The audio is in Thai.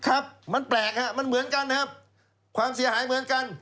ครับมันแปลกฮะมันเหมือนกันครับความเสียหายเหมือนกัน